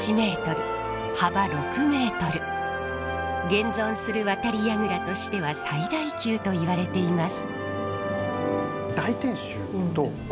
現存する渡櫓としては最大級といわれています。